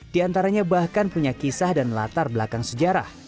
di antaranya bahkan punya kisah dan latar belakang sejarah